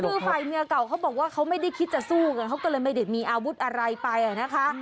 คือฝ่ายเมียเก่าเขาบอกว่าเขาไม่ได้คิดจะสู้ไงเขาก็เลยไม่ได้มีอาวุธอะไรไปนะคะ